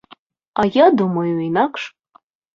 А я думаю інакш.